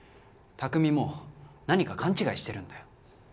拓実も何か勘違いしてるんだよ。